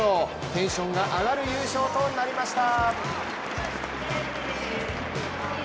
テンションが上がる優勝となりました。